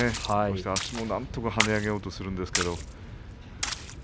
足もなんとか跳ね上げようとするんですけれど。